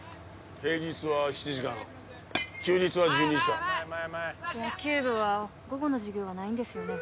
平日は７時間休日は１２時間野球部は午後の授業はないんですよね？